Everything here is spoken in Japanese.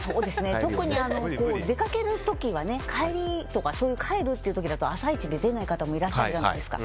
特に出かける時は帰りとかそういう帰るっていう時だと朝いちで出ない方もいらっしゃるじゃないですか。